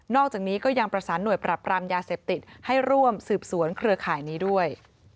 อกจากนี้ก็ยังประสานหน่วยปรับรามยาเสพติดให้ร่วมสืบสวนเครือข่ายนี้ด้วย